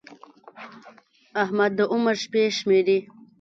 احمد د عمر شپې شمېري.